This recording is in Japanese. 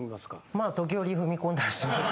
まあ時折踏み込んだりします。